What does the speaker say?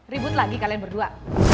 ribut lagi kalian berdua